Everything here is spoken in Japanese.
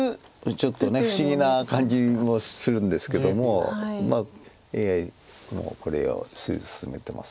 ちょっと不思議な感じもするんですけどもまあＡＩもこれを薦めてます。